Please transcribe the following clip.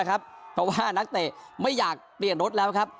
เพราะว่านักเตะไม่อยากเปลี่ยนรถแล้วครับ